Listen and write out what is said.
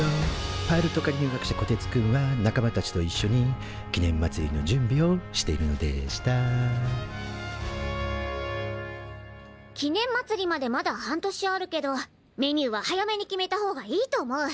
パイロット科に入学したこてつくんは仲間たちといっしょに記念まつりの準備をしているのでした記念まつりまでまだ半年あるけどメニューは早めに決めたほうがいいと思う。